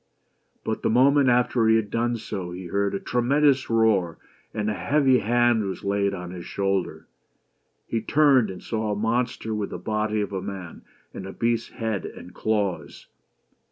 But the moment after he had done so, he heard a tremendous roar, and a heavy hand was laid on his shoulder. He turned, and saw a monster with the body of a man and a beast's head and claws.